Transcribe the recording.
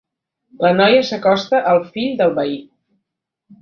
La noia s'acosta al fill del veí.